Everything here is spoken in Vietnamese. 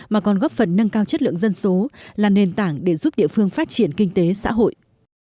mà còn góp phần nâng cao chất lượng dân số là nền tảng để giúp địa phương phát triển kinh tế xã hội